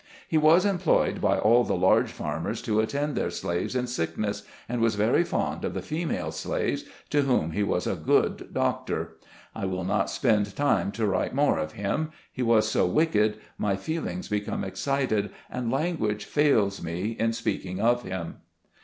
He was employed by all the large farmers to attend their slaves in sickness, and was very fond of the female slaves, to whom he was a good doctor. I will not spend time to write more of him ; he was so wicked, my feelings become excited, and language fails me in speaking of him.